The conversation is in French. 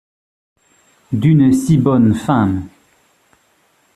d’une si bonne femme?